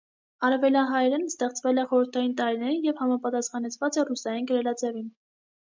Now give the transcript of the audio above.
Արևելահայերենն ստեղծվել է խորհրդային տարիներին և համապատասխեցված է ռուսերեն գրելաձևին։